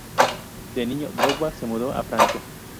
De niño, Drogba se mudó a Francia.